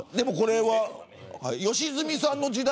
良純さんの時代